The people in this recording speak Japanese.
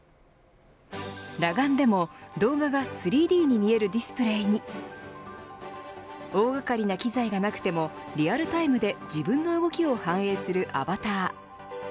裸眼でも動画が３Ｄに見えるディスプレーに大掛かりな機材がなくてもリアルタイムで自分の動きを反映するアバター。